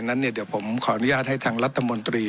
นั้นเดี๋ยวผมขออนุญาตให้ทางรัฐมนตรี